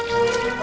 udah gue aja